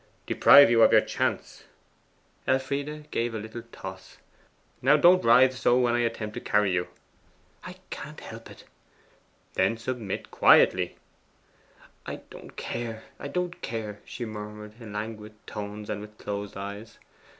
'Deprive you of your chance.' Elfride gave a little toss. 'Now, don't writhe so when I attempt to carry you.' 'I can't help it.' 'Then submit quietly.' 'I don't care. I don't care,' she murmured in languid tones and with closed eyes.